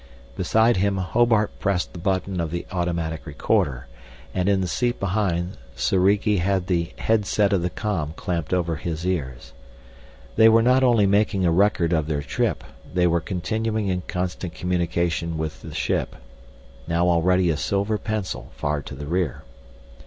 Beside him Hobart pressed the button of the automatic recorder, and in the seat behind, Soriki had the headset of the com clamped over his ears. They were not only making a record of their trip, they were continuing in constant communication with the ship now already a silver pencil far to the rear.